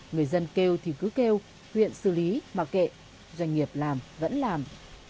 người dân kêu thì cứ kêu huyện xử lý mà kệ doanh nghiệp làm vẫn làm